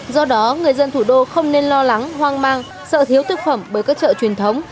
do đó người dân thủ đô không nên lo lắng hoang mang sợ thiếu thực phẩm bởi các chợ truyền thống